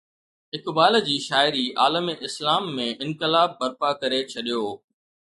اقبال جي شاعري عالم اسلام ۾ انقلاب برپا ڪري ڇڏيو.